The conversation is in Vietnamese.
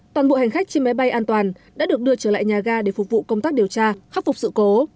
toàn bộ hành khách trên máy bay an toàn đã được đưa trở lại nhà ga để phục vụ công tác điều tra khắc phục sự cố